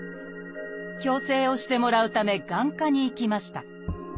矯正をしてもらうため眼科に行きました。